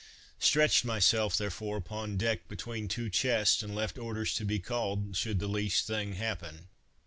Stretched myself, therefore, upon deck between two chests, and left orders to be called, should the least thing happen.